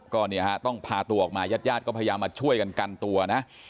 ก็ต้องพาตัวออกมายัดก็พยายามมาช่วยกันกันตัวนะ